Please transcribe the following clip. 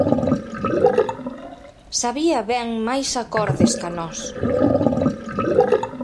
Sabía ben máis acordes ca nós.